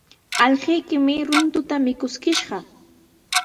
Allquykimi runtuta mikuskishqa.